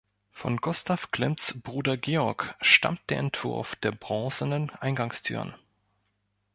Von Gustav Klimts Bruder Georg stammt der Entwurf der bronzenen Eingangstüren.